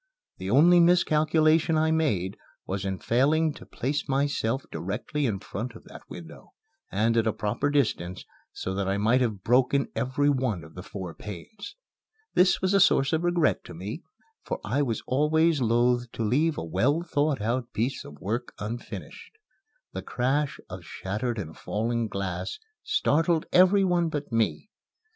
The only miscalculation I made was in failing to place myself directly in front of that window, and at a proper distance, so that I might have broken every one of the four panes. This was a source of regret to me, for I was always loath to leave a well thought out piece of work unfinished. The crash of shattered and falling glass startled every one but me.